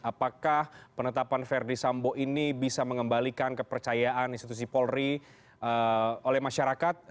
apakah penetapan verdi sambo ini bisa mengembalikan kepercayaan institusi polri oleh masyarakat